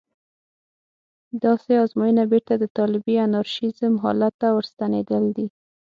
داسې ازموینه بېرته د طالبي انارشېزم حالت ته ورستنېدل دي.